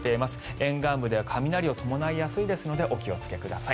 沿岸部では雷を伴いやすいですのでお気をつけください。